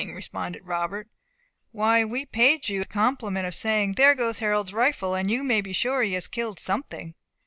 responded Robert. "Why we paid you the compliment of saying, 'There goes Harold's rifle! and you may be sure he has killed something."